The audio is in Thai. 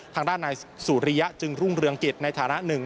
ทางด้านนายสุริยะจึงรุ่งเรืองกิจในฐานะหนึ่ง